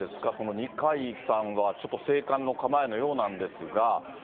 二階さんは、ちょっと静観の構えのようなんですが。